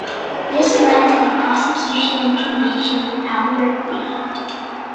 This led to the prosecution and conviction of Albert B.